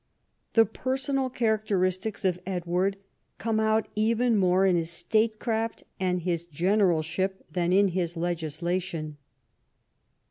The personal characteristics of Edward come out even more in his statecraft and his generalship than in his legislation.